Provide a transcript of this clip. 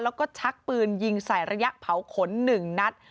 แล้วก็ชักปืนยิงใส่ระยะเผาขน๑นัด